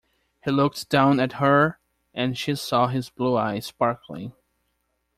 He looked down at her, and she saw his blue eyes sparkling.